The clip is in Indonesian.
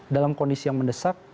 dalam kondisi yang mendesak